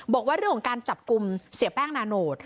บอกว่าเรื่องของการจับกลุ่มเสียแป้งนาโนต